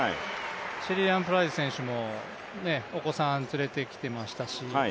シェリーアン・フレイザー・プライス選手もお子さん連れてきていましたし。